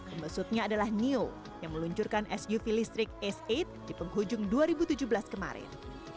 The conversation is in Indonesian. pembesutnya adalah neo yang meluncurkan suv listrik s delapan di penghujung dua ribu tujuh belas kemarin